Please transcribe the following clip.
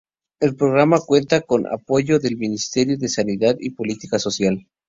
El programa cuenta con apoyo del Ministerio de Sanidad y Política Social.